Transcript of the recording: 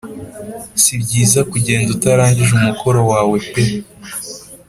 si byiza kugenda utarangije umukoro wawe pe